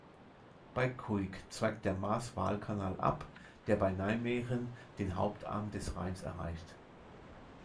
Bei Cuijk zweigt der Maas-Waal-Kanal ab, der bei Nijmegen den Hauptarm des Rheins erreicht.